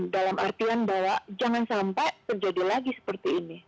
dalam artian bahwa jangan sampai terjadi lagi seperti ini